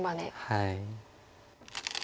はい。